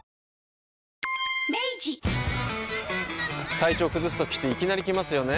体調崩すときっていきなり来ますよね。